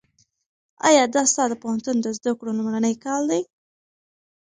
ایا دا ستا د پوهنتون د زده کړو لومړنی کال دی؟